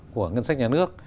của ngân sách nhà nước